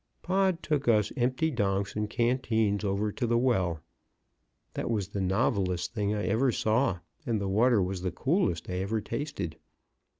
Pod took us empty donks and canteens over to the well. That was the novelest thing I ever saw; and the water was the coolest I ever tasted.